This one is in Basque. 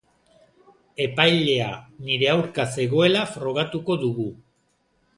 Epailea nire aurka zegoela frogatuko dugu.